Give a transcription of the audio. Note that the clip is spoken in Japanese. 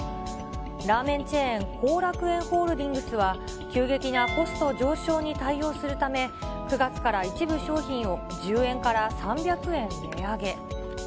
ラーメンチェーン幸楽苑ホールディングスは、急激なコスト上昇に対応するため、９月から一部商品を１０円から３００円値上げ。